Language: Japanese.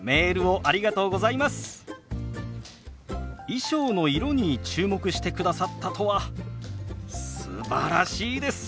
衣装の色に注目してくださったとはすばらしいです！